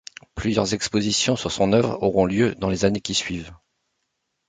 Plusieurs expositions sur son œuvre auront lieu dans les années qui suivent.